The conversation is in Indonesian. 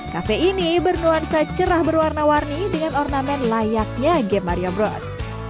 kafe ini bernuansa cerah berwarna warni dengan ornamen layaknya game mario bros